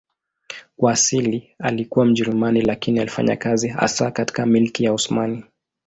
Kwa asili alikuwa Mjerumani lakini alifanya kazi hasa katika Milki ya Osmani.